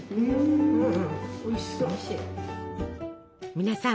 皆さん